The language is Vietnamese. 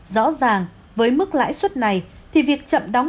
rõ ràng với mức lãi suất này thì việc chậm đóng